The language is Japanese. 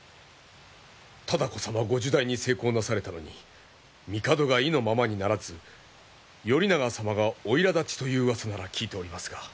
多子様ご入内に成功なされたのに帝が意のままにならず頼長様がおいらだちといううわさなら聞いておりますが。